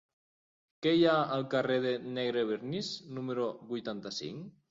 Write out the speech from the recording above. Què hi ha al carrer de Negrevernís número vuitanta-cinc?